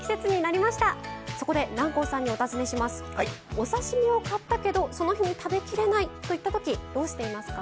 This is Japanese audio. お刺身を買ったけどその日に食べきれないといった時どうしていますか？